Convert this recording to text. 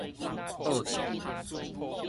僫做